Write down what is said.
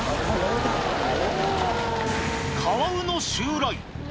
カワウの襲来。